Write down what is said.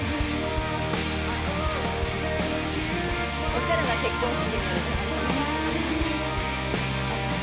おしゃれな結婚式に。